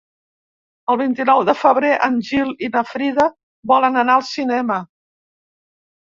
El vint-i-nou de febrer en Gil i na Frida volen anar al cinema.